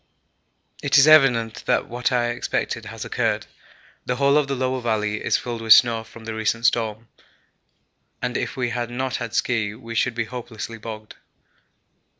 It is evident that what I expected has occurred. The whole of the lower valley is filled with snow from the recent storm, and if we had not had ski we should be hopelessly bogged.